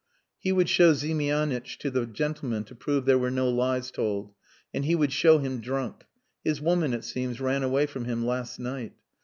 He would show Ziemianitch to the gentleman to prove there were no lies told. And he would show him drunk. His woman, it seems, ran away from him last night.